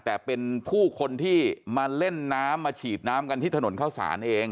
แต่เป็นผู้คนที่มาเล่นน้ำมาฉีดน้ำกันที่ถนนเข้าสารเอง